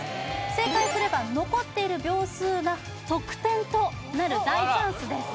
正解すれば残っている秒数が得点となる大チャンスです